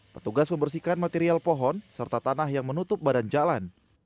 petugas membersihkan material pohon serta tanah yang menutup badan jalan